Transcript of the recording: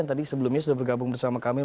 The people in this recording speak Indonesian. tadi sebelumnya sudah bergabung bersama kami